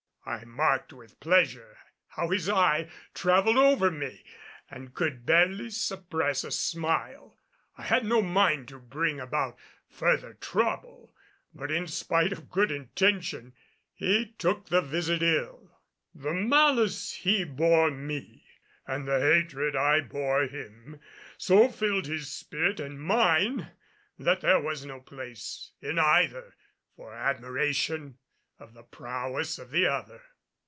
I marked with pleasure how his eye traveled over me, and could barely suppress a smile. I had no mind to bring about further trouble, but in spite of good intention he took the visit ill; the malice he bore me and the hatred I bore him so filled his spirit and mine that there was no place in either for admiration of the prowess of the other.